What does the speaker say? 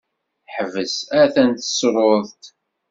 Ḥbes! a-t-an tessruḍ-t!